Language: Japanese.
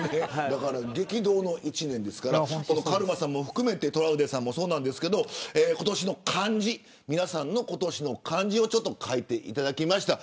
激動の１年ですからカルマさんも含めてトラウデンさんもですが今年の漢字皆さんの今年の漢字を書いていただきました。